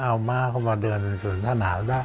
เอามาเข้ามาเดินสวนสนามท่านระศัล